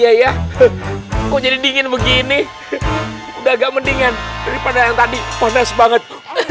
ya ya kok jadi dingin begini udah agak mendingan daripada yang tadi panas banget